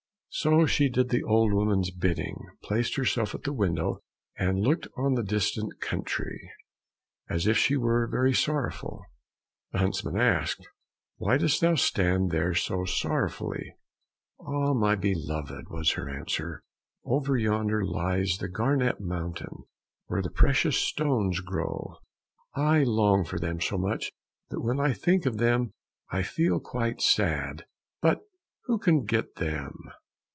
So she did the old woman's bidding, placed herself at the window and looked on the distant country, as if she were very sorrowful. The huntsman asked, "Why dost thou stand there so sorrowfully?" "Ah, my beloved," was her answer, "over yonder lies the Garnet Mountain, where the precious stones grow. I long for them so much that when I think of them, I feel quite sad, but who can get them?